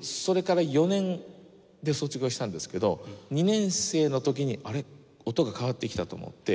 それから４年で卒業したんですけど２年生の時に「あれ？音が変わってきた」と思って。